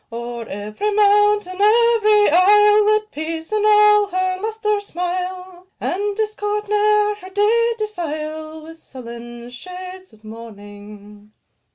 O'er every mountain, every isle, Let peace in all her lustre smile, And discord ne'er her day defile With sullen shades of mourning.